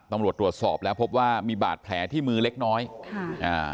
ตำรวจตรวจสอบแล้วพบว่ามีบาดแผลที่มือเล็กน้อยค่ะอ่า